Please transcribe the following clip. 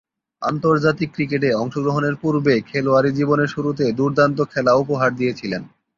আন্তর্জাতিক ক্রিকেটে অংশগ্রহণের পূর্বে খেলোয়াড়ী জীবনের শুরুতে দূর্দান্ত খেলা উপহার দিয়েছিলেন।